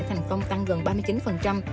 thành công tăng gần ba mươi chín